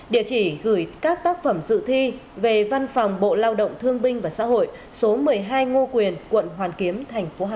địa chỉ gửi các tác phẩm dự thi về văn phòng bộ lao động thương binh và xã hội số một mươi hai ngô quyền quận hoàn kiếm hà nội